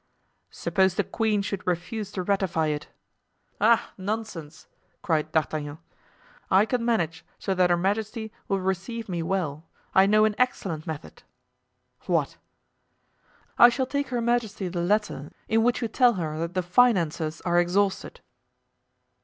"Suppose the queen should refuse to ratify it?" "Ah! nonsense!" cried D'Artagnan, "I can manage so that her majesty will receive me well; I know an excellent method." "What?" "I shall take her majesty the letter in which you tell her that the finances are exhausted."